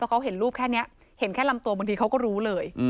เขาเห็นรูปแค่นี้เห็นแค่ลำตัวบางทีเขาก็รู้เลย